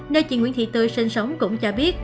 nơi chị nguyễn thị tươi sinh sống cũng cho biết